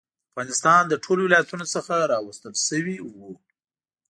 د افغانستان له ټولو ولایتونو څخه راوستل شوي وو.